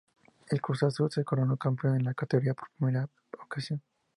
El Cruz Azul se coronó campeón de la categoría por primera ocasión.